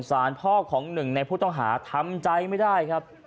สารพ่อของหนึ่งในผู้ต้องหาทำใจไม่ได้ครับ